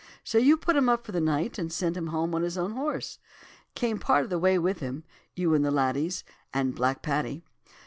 So you put him up for the night and sent him home on his own horse. Came part of the way with him, you and the ladies, and Black Paddy.